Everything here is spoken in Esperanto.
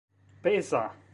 peza